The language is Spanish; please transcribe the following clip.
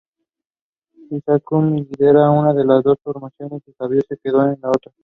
Izaskun lidera una de las dos formaciones y Javier se quedó en la otra.